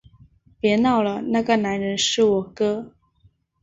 别闹了，那个男人是我哥